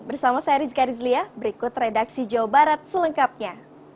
bersama saya rizka rizlia berikut redaksi jawa barat selengkapnya